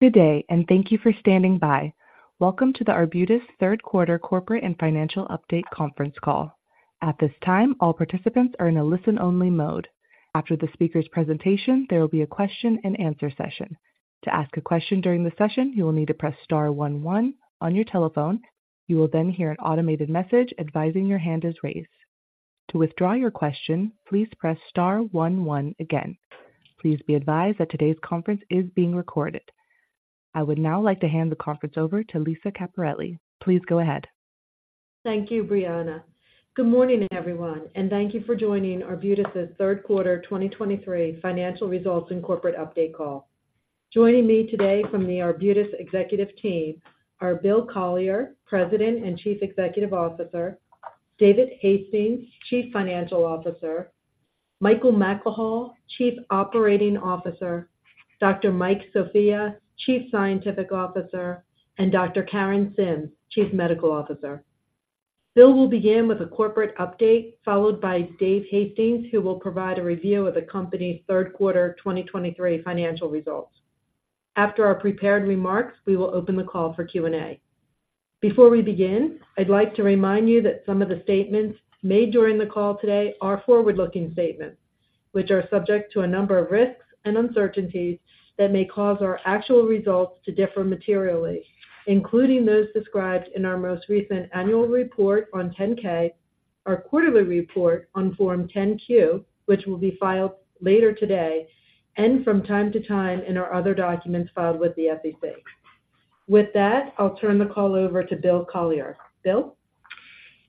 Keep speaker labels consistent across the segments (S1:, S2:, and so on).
S1: Good day, and thank you for standing by. Welcome to the Arbutus third quarter corporate and financial update conference call. At this time, all participants are in a listen-only mode. After the speaker's presentation, there will be a question-and-answer session. To ask a question during the session, you will need to press star one, one on your telephone. You will then hear an automated message advising your hand is raised. To withdraw your question, please press star one, one again. Please be advised that today's conference is being recorded. I would now like to hand the conference over to Lisa Caperelli. Please go ahead.
S2: Thank you, Brianna. Good morning, everyone, and thank you for joining Arbutus' third quarter 2023 financial results and corporate update call. Joining me today from the Arbutus executive team are Bill Collier, President and Chief Executive Officer, David Hastings, Chief Financial Officer, Michael McElhaugh, Chief Operating Officer, Dr. Mike Sofia, Chief Scientific Officer, and Dr. Karen Sims, Chief Medical Officer. Bill will begin with a corporate update, followed by David Hastings, who will provide a review of the company's third quarter 2023 financial results. After our prepared remarks, we will open the call for Q&A. Before we begin, I'd like to remind you that some of the statements made during the call today are forward-looking statements, which are subject to a number of risks and uncertainties that may cause our actual results to differ materially, including those described in our most recent annual report on Form 10-K, our quarterly report on Form 10-Q, which will be filed later today, and from time to time in our other documents filed with the SEC. With that, I'll turn the call over to Bill Collier. Bill?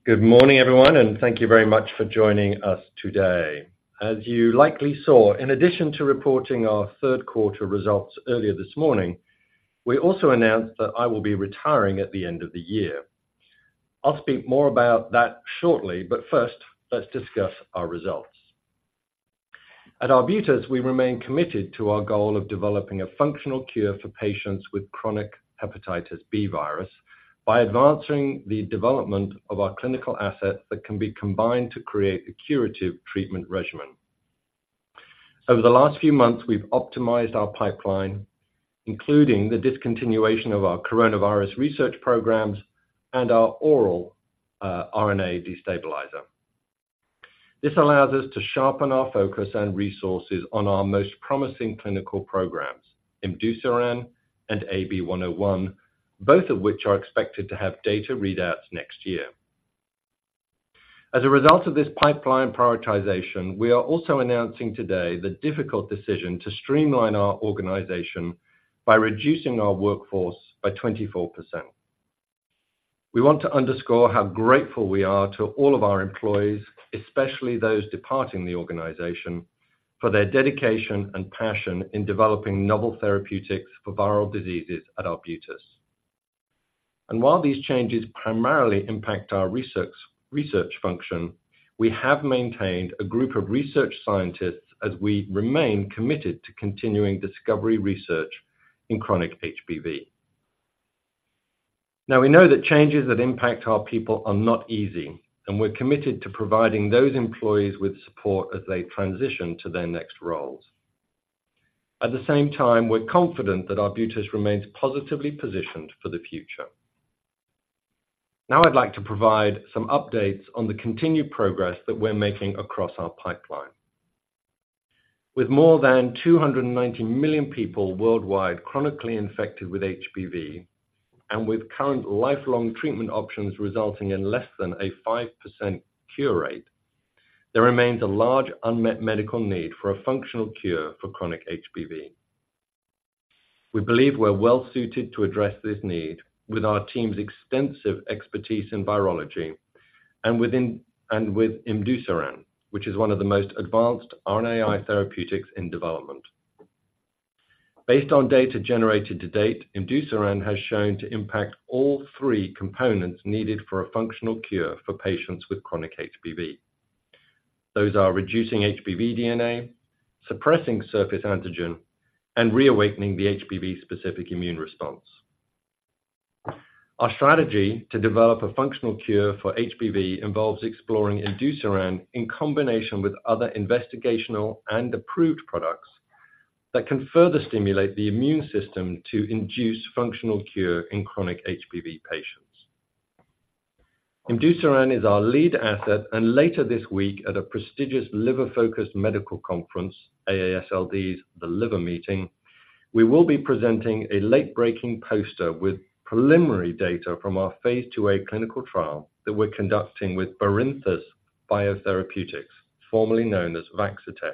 S3: Good morning, everyone, and thank you very much for joining us today. As you likely saw, in addition to reporting our third quarter results earlier this morning, we also announced that I will be retiring at the end of the year. I'll speak more about that shortly, but first, let's discuss our results. At Arbutus, we remain committed to our goal of developing a functional cure for patients with chronic hepatitis B virus by advancing the development of our clinical assets that can be combined to create a curative treatment regimen. Over the last few months, we've optimized our pipeline, including the discontinuation of our coronavirus research programs and our oral, RNA destabilizer. This allows us to sharpen our focus and resources on our most promising clinical programs, imdusiran and AB-101, both of which are expected to have data readouts next year. As a result of this pipeline prioritization, we are also announcing today the difficult decision to streamline our organization by reducing our workforce by 24%. We want to underscore how grateful we are to all of our employees, especially those departing the organization, for their dedication and passion in developing novel therapeutics for viral diseases at Arbutus. And while these changes primarily impact our research, research function, we have maintained a group of research scientists as we remain committed to continuing discovery research in chronic HBV. Now, we know that changes that impact our people are not easy, and we're committed to providing those employees with support as they transition to their next roles. At the same time, we're confident that Arbutus remains positively positioned for the future. Now, I'd like to provide some updates on the continued progress that we're making across our pipeline. With more than 290 million people worldwide chronically infected with HBV, and with current lifelong treatment options resulting in less than a 5% cure rate, there remains a large unmet medical need for a functional cure for chronic HBV. We believe we're well suited to address this need with our team's extensive expertise in virology and with imdusiran, which is one of the most advanced RNAi therapeutics in development. Based on data generated to date, imdusiran has shown to impact all three components needed for a functional cure for patients with chronic HBV. Those are reducing HBV DNA, suppressing surface antigen, and reawakening the HBV-specific immune response. Our strategy to develop a functional cure for HBV involves exploring imdusiran in combination with other investigational and approved products that can further stimulate the immune system to induce functional cure in chronic HBV patients. imdusiran is our lead asset, and later this week, at a prestigious liver-focused medical conference, AASLD's The Liver Meeting, we will be presenting a late-breaking poster with preliminary data from our phase 2a clinical trial that we're conducting with Barinthus Biotherapeutics, formerly known as Vaccitech.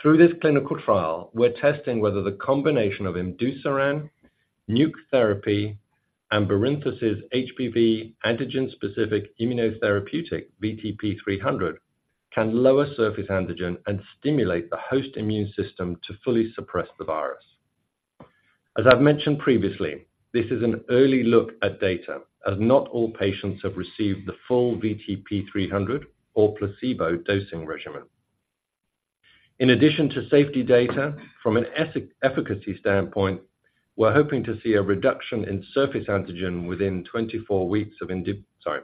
S3: Through this clinical trial, we're testing whether the combination of imdusiran, NUC therapy, and Barinthus' HBV antigen-specific immunotherapeutic, VTP-300, can lower surface antigen and stimulate the host immune system to fully suppress the virus. As I've mentioned previously, this is an early look at data, as not all patients have received the full VTP-300 or placebo dosing regimen. In addition to safety data, from an efficacy standpoint, we're hoping to see a reduction in surface antigen within 24 weeks of indi... Sorry....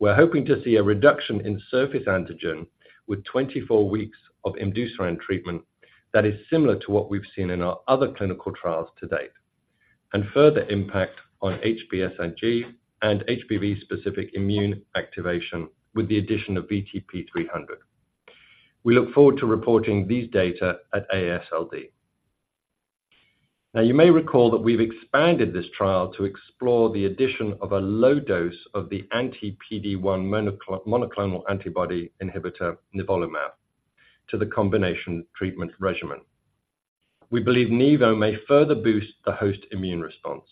S3: We're hoping to see a reduction in surface antigen with 24 weeks of imdusiran treatment that is similar to what we've seen in our other clinical trials to date, and further impact on HBsAg and HBV-specific immune activation with the addition of VTP-300. We look forward to reporting these data at AASLD. Now, you may recall that we've expanded this trial to explore the addition of a low dose of the anti-PD-1 monoclonal antibody inhibitor, nivolumab, to the combination treatment regimen. We believe nivo may further boost the host immune response.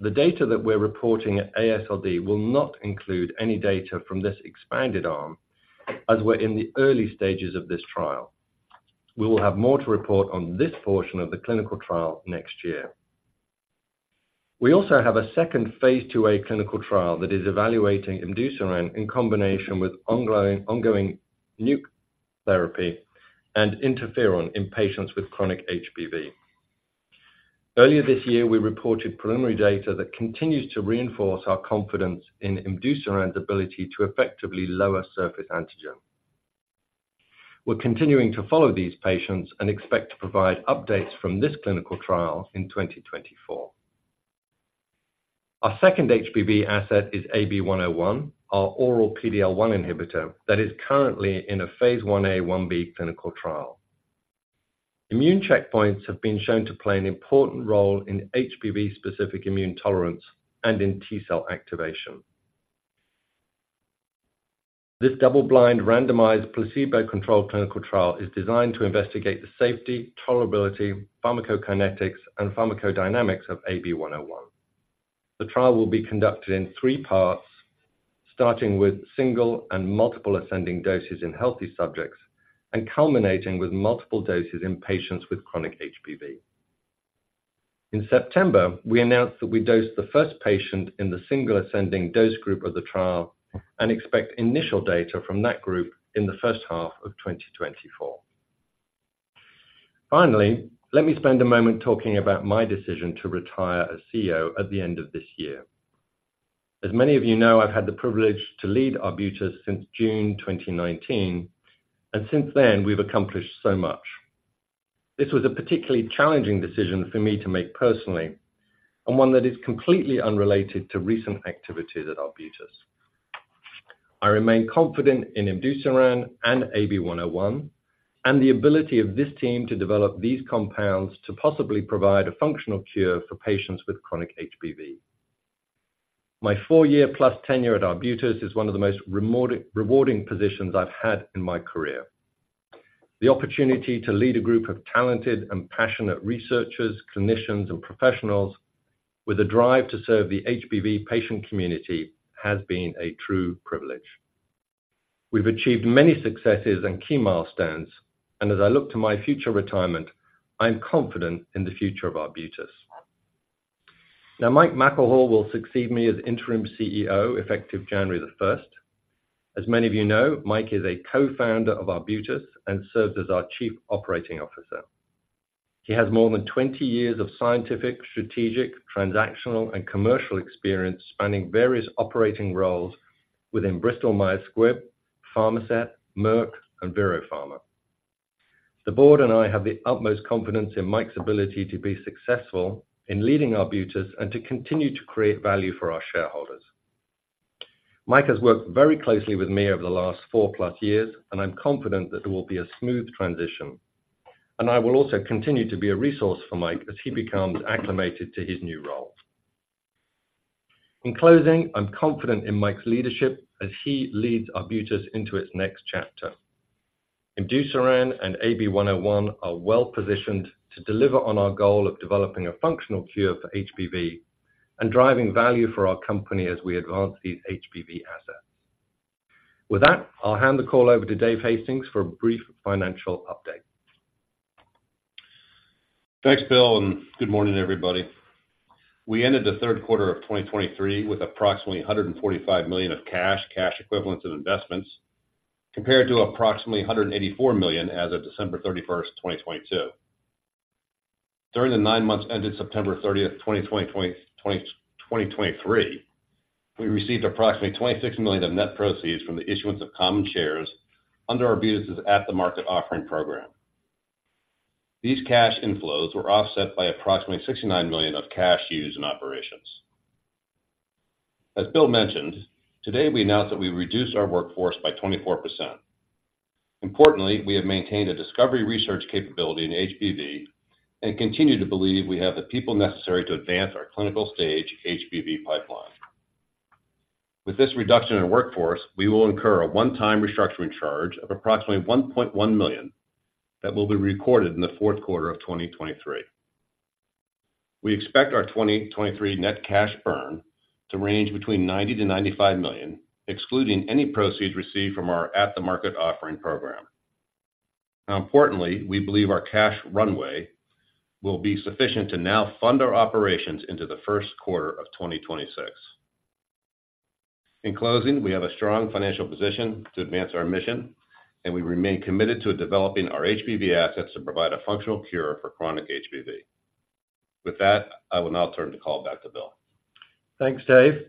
S3: The data that we're reporting at AASLD will not include any data from this expanded arm, as we're in the early stages of this trial. We will have more to report on this portion of the clinical trial next year. We also have a second phase 2a clinical trial that is evaluating imdusiran in combination with ongoing NUC therapy and interferon in patients with chronic HBV. Earlier this year, we reported preliminary data that continues to reinforce our confidence in imdusiran's ability to effectively lower surface antigen. We're continuing to follow these patients and expect to provide updates from this clinical trial in 2024. Our second HBV asset is AB-101, our oral PD-L1 inhibitor that is currently in a phase 1a/1b clinical trial. Immune checkpoints have been shown to play an important role in HBV-specific immune tolerance and in T-cell activation. This double-blind, randomized, placebo-controlled clinical trial is designed to investigate the safety, tolerability, pharmacokinetics, and pharmacodynamics of AB-101. The trial will be conducted in three parts, starting with single and multiple ascending doses in healthy subjects, and culminating with multiple doses in patients with chronic HBV. In September, we announced that we dosed the first patient in the single ascending dose group of the trial and expect initial data from that group in the first half of 2024. Finally, let me spend a moment talking about my decision to retire as CEO at the end of this year. As many of you know, I've had the privilege to lead Arbutus since June 2019, and since then, we've accomplished so much. This was a particularly challenging decision for me to make personally, and one that is completely unrelated to recent activities at Arbutus. I remain confident in imdusiran and AB-101, and the ability of this team to develop these compounds to possibly provide a functional cure for patients with chronic HBV. My four-year-plus tenure at Arbutus is one of the most rewarding positions I've had in my career. The opportunity to lead a group of talented and passionate researchers, clinicians, and professionals with a drive to serve the HBV patient community has been a true privilege. We've achieved many successes and key milestones, and as I look to my future retirement, I'm confident in the future of Arbutus. Now, Mike McElhaugh will succeed me as interim CEO, effective January 1. As many of you know, Mike is a co-founder of Arbutus and serves as our Chief Operating Officer. He has more than 20 years of scientific, strategic, transactional, and commercial experience, spanning various operating roles within Bristol-Myers Squibb, Pharmasset, Merck, and ViroPharma. The board and I have the utmost confidence in Mike's ability to be successful in leading Arbutus, and to continue to create value for our shareholders. Mike has worked very closely with me over the last 4+ years, and I'm confident that there will be a smooth transition. I will also continue to be a resource for Mike as he becomes acclimated to his new role. In closing, I'm confident in Mike's leadership as he leads Arbutus into its next chapter. Imdusiran and AB-101 are well positioned to deliver on our goal of developing a functional cure for HBV and driving value for our company as we advance these HBV assets. With that, I'll hand the call over to David Hastings for a brief financial update.
S4: Thanks, Bill, and good morning, everybody. We ended the third quarter of 2023 with approximately $145 million of cash, cash equivalents, and investments, compared to approximately $184 million as of December 31, 2022. During the nine months ended September 30, 2023, we received approximately $26 million of net proceeds from the issuance of common shares under Arbutus' at-the-market offering program. These cash inflows were offset by approximately $69 million of cash used in operations. As Bill mentioned, today, we announced that we reduced our workforce by 24%. Importantly, we have maintained a discovery research capability in HBV and continue to believe we have the people necessary to advance our clinical stage HBV pipeline. With this reduction in workforce, we will incur a one-time restructuring charge of approximately $1.1 million that will be recorded in the fourth quarter of 2023. We expect our 2023 net cash burn to range between $90 million-$95 million, excluding any proceeds received from our at-the-market offering program. Now, importantly, we believe our cash runway will be sufficient to now fund our operations into the first quarter of 2026. In closing, we have a strong financial position to advance our mission, and we remain committed to developing our HBV assets to provide a functional cure for chronic HBV. ...With that, I will now turn the call back to Bill.
S3: Thanks, Dave.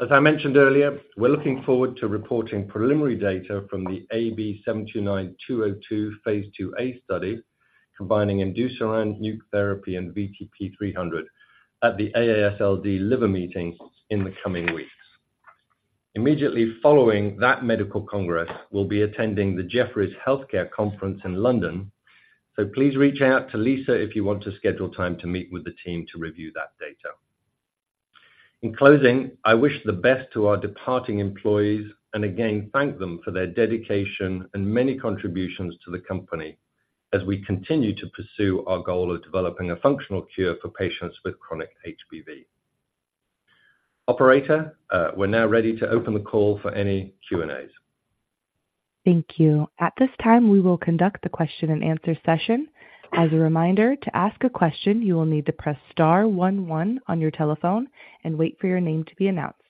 S3: As I mentioned earlier, we're looking forward to reporting preliminary data from the AB-729-202 phase 2a study, combining imdusiran NUC therapy and VTP-300 at the AASLD Liver Meeting in the coming weeks. Immediately following that medical congress, we'll be attending the Jefferies Healthcare Conference in London. So please reach out to Lisa if you want to schedule time to meet with the team to review that data. In closing, I wish the best to our departing employees, and again, thank them for their dedication and many contributions to the company as we continue to pursue our goal of developing a functional cure for patients with chronic HBV. Operator, we're now ready to open the call for any Q&As.
S1: Thank you. At this time, we will conduct the question and answer session. As a reminder, to ask a question, you will need to press star one one on your telephone and wait for your name to be announced.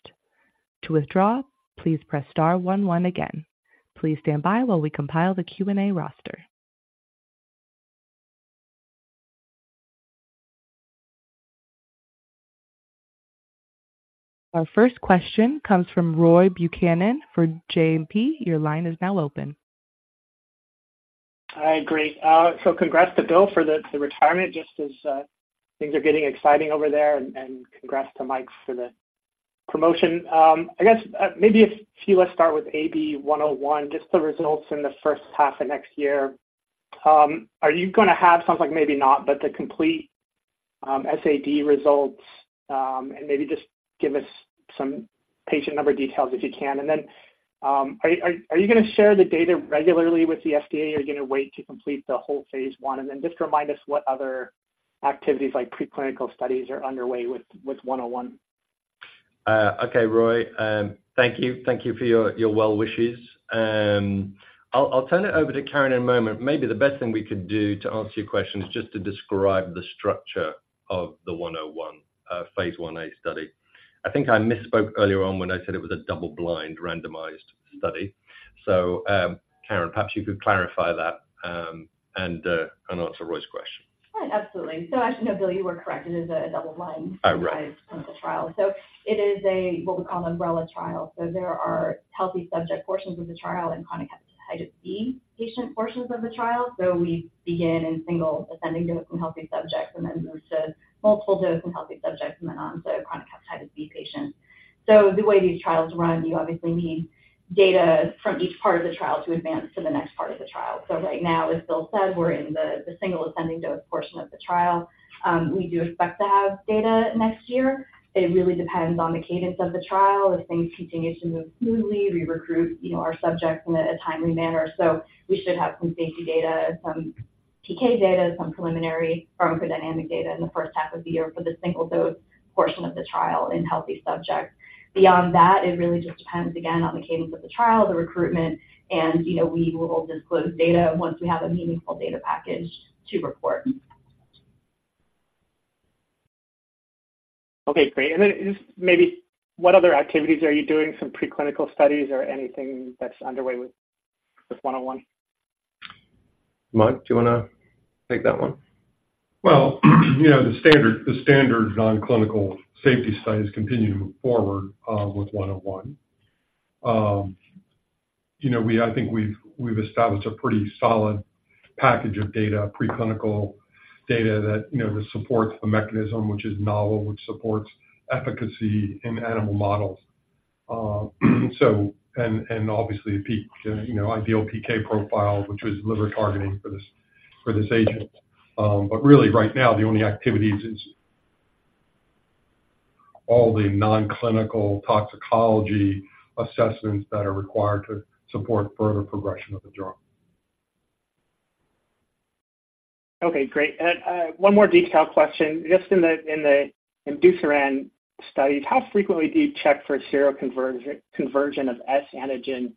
S1: To withdraw, please press star one one again. Please stand by while we compile the Q&A roster. Our first question comes from Roy Buchanan for JMP. Your line is now open.
S5: Hi, great. So congrats to Bill for the retirement, just as things are getting exciting over there, and congrats to Mike for the promotion. I guess, maybe if you let's start with AB-101, just the results in the first half of next year. Are you gonna have, sounds like maybe not, but the complete SAD results, and maybe just give us some patient number details if you can. And then, are you gonna share the data regularly with the FDA, or are you gonna wait to complete the whole phase 1? And then just remind us what other activities, like preclinical studies, are underway with AB-101.
S3: Okay, Roy, thank you. Thank you for your, your well wishes. I'll turn it over to Karen in a moment. Maybe the best thing we could do to answer your question is just to describe the structure of the 101 phase 1a study. I think I misspoke earlier on when I said it was a double blind randomized study. So, Karen, perhaps you could clarify that, and answer Roy's question.
S6: Absolutely. So actually, no, Bill, you were correct. It is a double blind-
S3: Oh, right
S6: clinical trial. So it is a, what we call, umbrella trial. So there are healthy subject portions of the trial and chronic hepatitis B patient portions of the trial. So we begin in single ascending dose in healthy subjects, and then move to multiple dose in healthy subjects, and then on to chronic hepatitis B patients. So the way these trials run, you obviously need data from each part of the trial to advance to the next part of the trial. So right now, as Bill said, we're in the single ascending dose portion of the trial. We do expect to have data next year. It really depends on the cadence of the trial. If things continue to move smoothly, we recruit, you know, our subjects in a timely manner. So we should have some safety data, some PK data, some preliminary pharmacodynamic data in the first half of the year for the single dose portion of the trial in healthy subjects. Beyond that, it really just depends, again, on the cadence of the trial, the recruitment, and, you know, we will disclose data once we have a meaningful data package to report.
S5: Okay, great. And then just maybe, what other activities are you doing? Some preclinical studies or anything that's underway with, with 101?
S3: Mike, do you want to take that one?
S7: Well, you know, the standard, the standard non-clinical safety studies continue to move forward with AB-101. You know, I think we've established a pretty solid package of data, preclinical data that, you know, supports the mechanism, which is novel, which supports efficacy in animal models. So, and obviously, a peak, you know, ideal PK profile, which is liver targeting for this, for this agent. But really, right now, the only activities is all the non-clinical toxicology assessments that are required to support further progression of the drug.
S5: Okay, great. And one more detailed question. Just in the imdusiran studies, how frequently do you check for seroconversion of S antigen?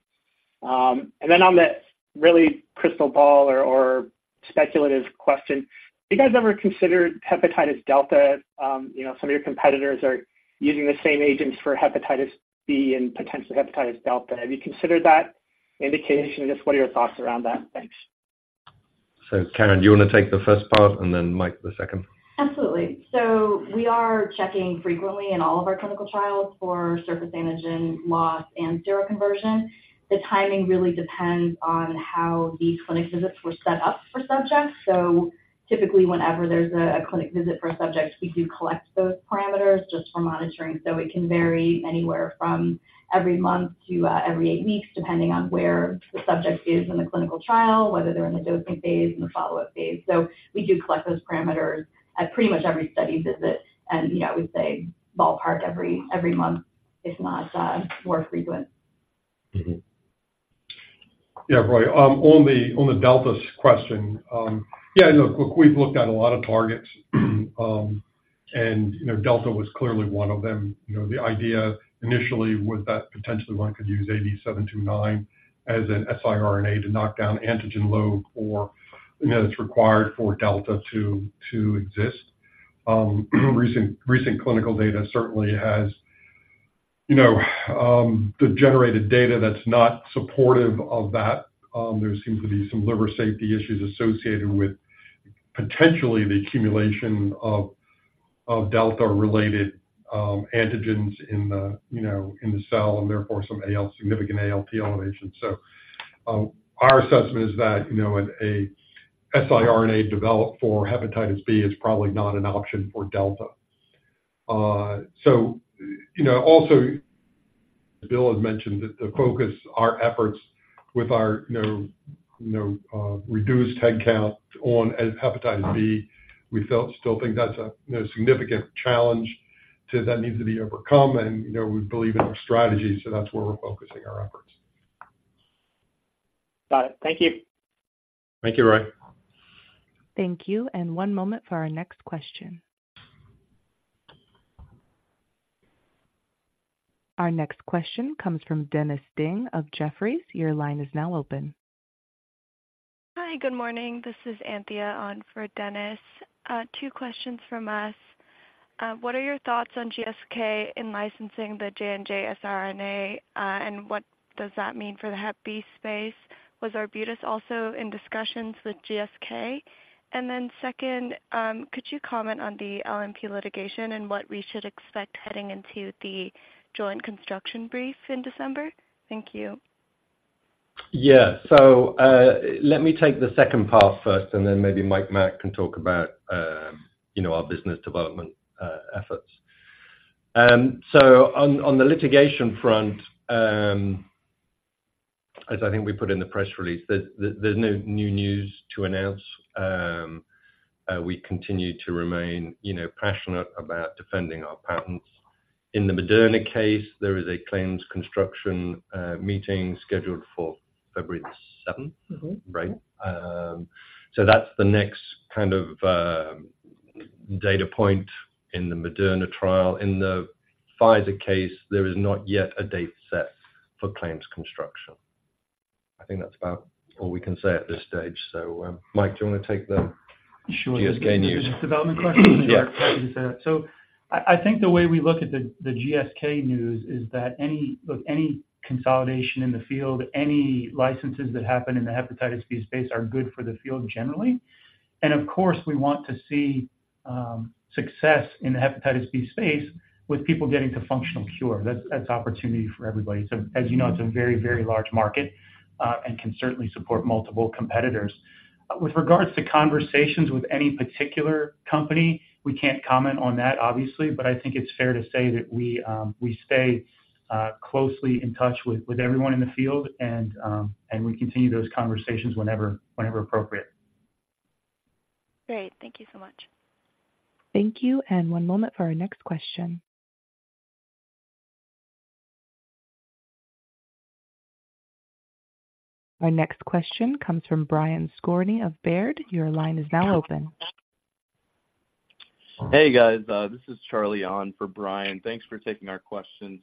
S5: And then on the really crystal ball or speculative question, have you guys ever considered hepatitis delta? You know, some of your competitors are using the same agents for hepatitis B and potentially hepatitis delta. Have you considered that indication, and just what are your thoughts around that? Thanks.
S3: So, Karen, do you want to take the first part, and then Mike, the second?
S6: Absolutely. So we are checking frequently in all of our clinical trials for surface antigen loss and seroconversion. The timing really depends on how these clinic visits were set up for subjects. So typically, whenever there's a clinic visit for a subject, we do collect those parameters just for monitoring. So it can vary anywhere from every month to every 8 weeks, depending on where the subject is in the clinical trial, whether they're in the dosing phase, in the follow-up phase. So we do collect those parameters at pretty much every study visit, and yeah, I would say ballpark every month, if not more frequent.
S3: Mm-hmm.
S7: Yeah, Roy, on the delta question. Yeah, look, we've looked at a lot of targets, and, you know, delta was clearly one of them. You know, the idea initially was that potentially one could use AB-729 as an siRNA to knock down antigen load, or, you know, it's required for delta to exist. Recent clinical data certainly has- ...
S8: You know, the generated data that's not supportive of that, there seems to be some liver safety issues associated with potentially the accumulation of delta-related antigens in the, you know, in the cell, and therefore some significant ALT elevations. So, our assessment is that, you know, an siRNA developed for hepatitis B is probably not an option for delta. So, you know, also, Bill has mentioned that the focus our efforts with our, you know, reduced headcount on hepatitis B, we felt—still think that's a, you know, significant challenge that needs to be overcome. And, you know, we believe in our strategy, so that's where we're focusing our efforts.
S5: Got it. Thank you.
S3: Thank you, Roy.
S1: Thank you. One moment for our next question. Our next question comes from Dennis Ding of Jefferies. Your line is now open.
S9: Hi, good morning. This is Anthea on for Dennis. Two questions from us. What are your thoughts on GSK in-licensing the J&J siRNA, and what does that mean for the hep B space? Was Arbutus also in discussions with GSK? And then second, could you comment on the LNP litigation and what we should expect heading into the joint construction brief in December? Thank you.
S3: Yeah. So, let me take the second part first, and then maybe Mike Mack can talk about, you know, our business development efforts. So on, on the litigation front, as I think we put in the press release, there, there's no new news to announce. We continue to remain, you know, passionate about defending our patents. In the Moderna case, there is a claims construction meeting scheduled for February seventh.
S9: Mm-hmm.
S3: Right? So that's the next kind of data point in the Moderna trial. In the Pfizer case, there is not yet a date set for claims construction. I think that's about all we can say at this stage. So, Mike, do you want to take the-
S7: Sure.
S3: GSK news?
S7: Business development question?
S3: Yeah.
S7: So I think the way we look at the GSK news is that any consolidation in the field, any licenses that happen in the hepatitis B space are good for the field generally. And of course, we want to see success in the hepatitis B space with people getting to functional cure. That's opportunity for everybody. So as you know, it's a very, very large market and can certainly support multiple competitors. With regards to conversations with any particular company, we can't comment on that, obviously, but I think it's fair to say that we stay closely in touch with everyone in the field, and we continue those conversations whenever appropriate.
S9: Great. Thank you so much.
S1: Thank you, and one moment for our next question. Our next question comes from Brian Skorney of Baird. Your line is now open.
S10: Hey, guys, this is Charlie on for Brian. Thanks for taking our question.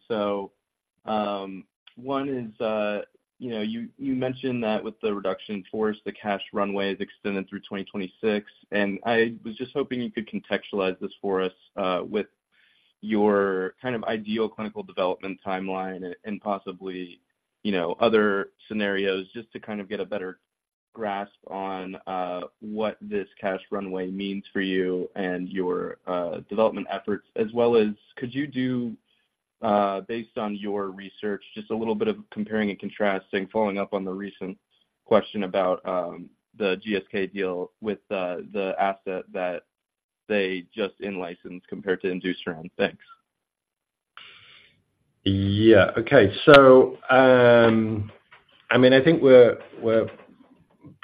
S10: One is, you know, you mentioned that with the reduction in force, the cash runway is extended through 2026, and I was just hoping you could contextualize this for us, with your kind of ideal clinical development timeline and possibly, you know, other scenarios, just to kind of get a better grasp on what this cash runway means for you and your development efforts, as well as could you do, based on your research, just a little bit of comparing and contrasting, following up on the recent question about the GSK deal with the asset that they just in-licensed compared to imdusiran. Thanks.
S3: Yeah. Okay. So, I mean, I think we're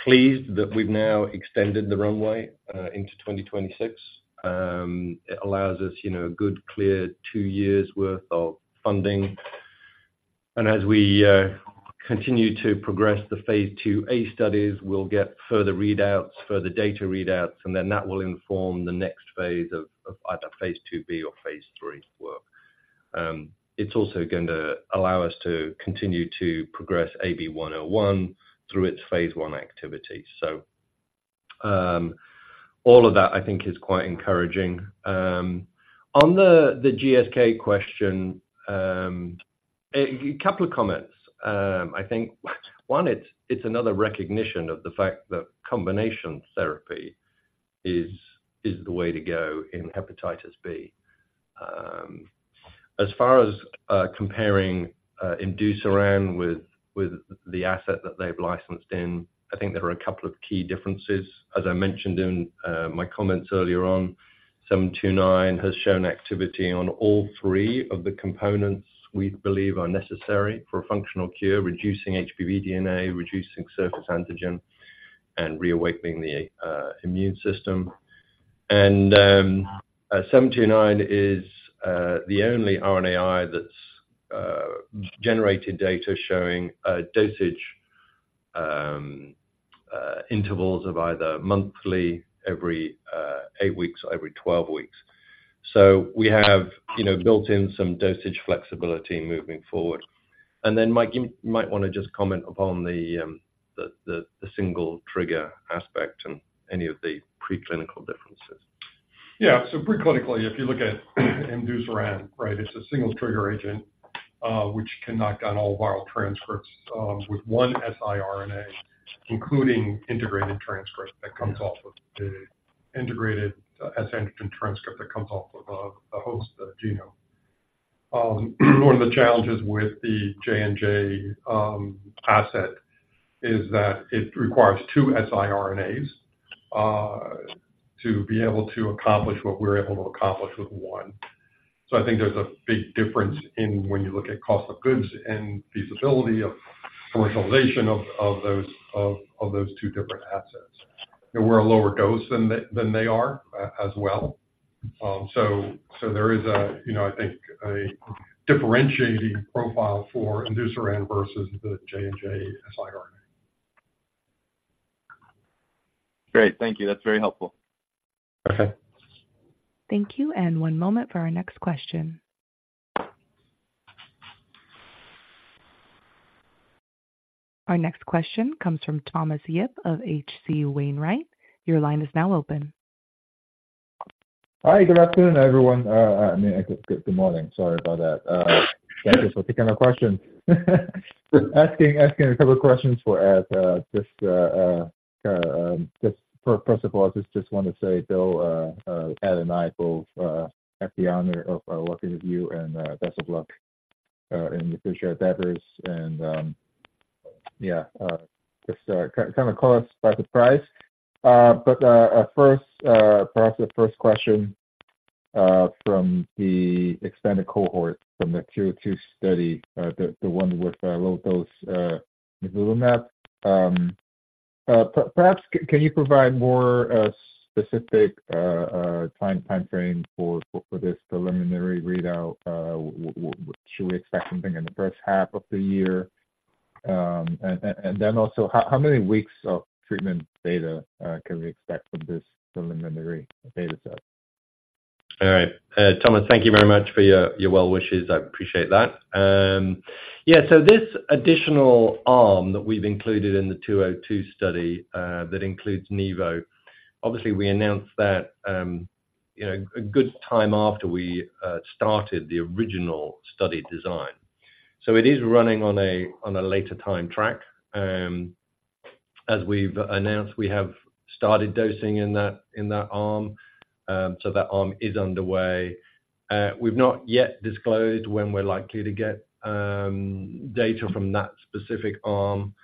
S3: pleased that we've now extended the runway into 2026. It allows us, you know, a good, clear two years worth of funding. And as we continue to progress the phase 2a studies, we'll get further readouts, further data readouts, and then that will inform the next phase of either phase 2b or phase 3 work. It's also going to allow us to continue to progress AB-101 through its phase 1 activity. So, all of that, I think, is quite encouraging. On the GSK question, a couple of comments. I think, one, it's another recognition of the fact that combination therapy is the way to go in hepatitis B. As far as comparing imdusiran with the asset that they've licensed in, I think there are a couple of key differences. As I mentioned in my comments earlier on, 729 has shown activity on all three of the components we believe are necessary for a functional cure, reducing HBV DNA, reducing surface antigen, and reawakening the immune system. And 729 is the only RNAi that's generated data showing dosage intervals of either monthly, every 8 weeks, or every 12 weeks. So we have, you know, built in some dosage flexibility moving forward. And then, Mike, you might wanna just comment upon the single trigger aspect and any of the preclinical differences....
S7: Yeah, so preclinically, if you look at imdusiran, right, it's a single trigger agent, which can knock down all viral transcripts with one siRNA, including integrated transcripts that comes off of the integrated S antigen transcript that comes off of the host genome. One of the challenges with the J&J asset is that it requires two siRNAs to be able to accomplish what we're able to accomplish with one. So I think there's a big difference in when you look at cost of goods and feasibility of commercialization of those two different assets. And we're a lower dose than they are as well. So there is a, you know, I think, a differentiating profile for imdusiran versus the J&J siRNA.
S9: Great. Thank you. That's very helpful.
S7: Okay.
S1: Thank you, and one moment for our next question. Our next question comes from Thomas Yip of H.C. Wainwright. Your line is now open.
S11: Hi, good afternoon, everyone. I mean, good morning. Sorry about that. Thank you for taking my question. Asking a couple of questions for Ed. Just first of all, I just want to say, Bill, Ed and I both have the honor of working with you, and best of luck in the future endeavors and yeah, just kind of caught us by surprise. But first, perhaps the first question, from the extended cohort from the 202 study, the one with low dose nivolumab. Perhaps can you provide more specific timeframe for this preliminary readout? Should we expect something in the first half of the year? And then also, how many weeks of treatment data can we expect from this preliminary data set?
S3: All right. Thomas, thank you very much for your, your well wishes. I appreciate that. Yeah, so this additional arm that we've included in the 202 study, that includes nivo. Obviously, we announced that, you know, a good time after we started the original study design. So it is running on a, on a later time track. As we've announced, we have started dosing in that, in that arm. So that arm is underway. We've not yet disclosed when we're likely to get, data from that specific arm.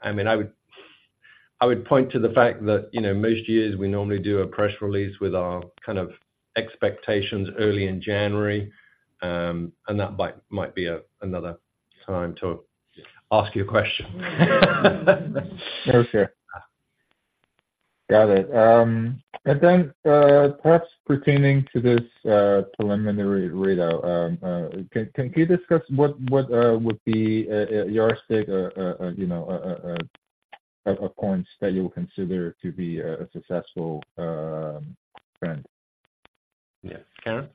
S3: I mean, I would, I would point to the fact that, you know, most years we normally do a press release with our kind of expectations early in January, and that might, might be another time to ask your question.
S11: Okay. Got it. And then, perhaps pertaining to this preliminary readout, can you discuss what would be your state, you know, of points that you would consider to be a successful trend?
S3: Yeah. Karen?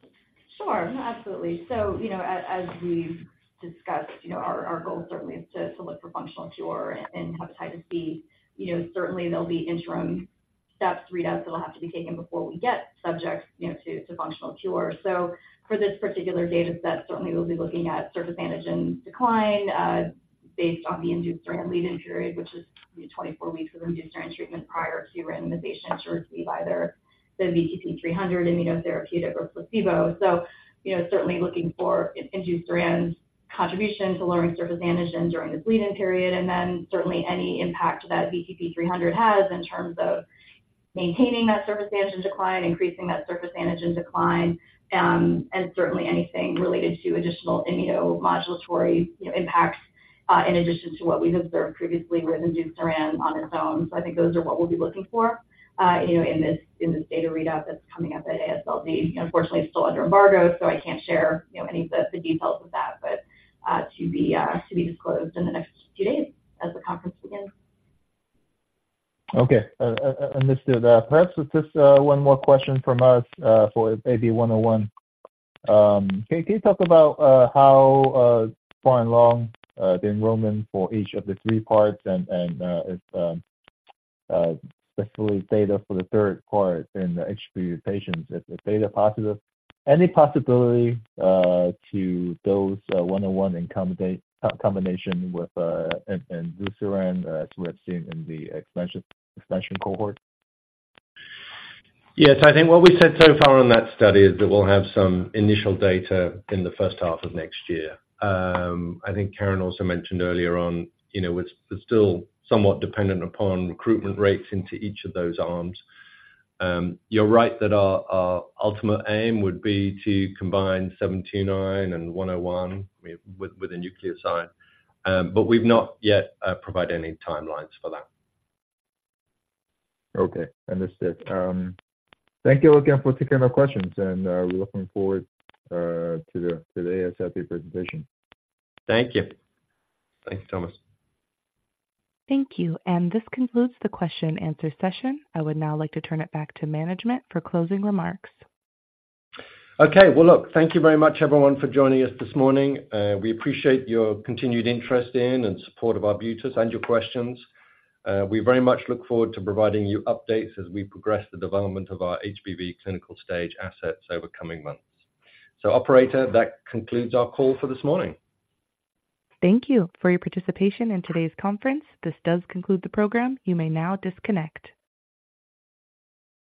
S6: Sure. No, absolutely. So, you know, as we've discussed, you know, our goal certainly is to look for functional cure in hepatitis B. You know, certainly there'll be interim steps, readouts that will have to be taken before we get to functional cure. So for this particular data set, certainly we'll be looking at surface antigen decline based on the imdusiran lead-in period, which is 24 weeks of imdusiran treatment prior to randomization to receive either the VTP-300 immunotherapeutic or placebo. So you know, certainly looking for imdusiran's contribution to lowering surface antigen during this lead-in period, and then certainly any impact that VTP-300 has in terms of maintaining that surface antigen decline, increasing that surface antigen decline, and certainly anything related to additional immunomodulatory, you know, impacts, in addition to what we've observed previously with imdusiran on its own. So I think those are what we'll be looking for, you know, in this data readout that's coming up at AASLD. Unfortunately, it's still under embargo, so I can't share, you know, any of the details of that, but to be disclosed in the next few days as the conference begins.
S11: Okay. Understood. Perhaps just one more question from us for AB-101. Can you talk about how far along the enrollment for each of the three parts and especially data for the third part in the HBV patients, if the data positive, any possibility to those 101 in combination with imdusiran as we have seen in the expansion expansion cohort?
S3: Yes, I think what we said so far on that study is that we'll have some initial data in the first half of next year. I think Karen also mentioned earlier on, you know, it's still somewhat dependent upon recruitment rates into each of those arms. You're right that our, our ultimate aim would be to combine 79 and 101 with, with a nucleoside, but we've not yet provided any timelines for that.
S11: Okay, understood. Thank you again for taking our questions, and we're looking forward to the AASLD presentation.
S3: Thank you. Thanks, Thomas.
S1: Thank you. This concludes the question and answer session. I would now like to turn it back to management for closing remarks.
S3: Okay. Well, look, thank you very much, everyone, for joining us this morning. We appreciate your continued interest in and support of Arbutus and your questions. We very much look forward to providing you updates as we progress the development of our HBV clinical stage assets over coming months. So Operator, that concludes our call for this morning.
S1: Thank you for your participation in today's conference. This does conclude the program. You may now disconnect.